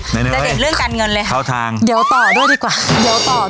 แต่เด็ดเรื่องการเงินเลยค่ะเข้าทางเดี๋ยวต่อด้วยดีกว่า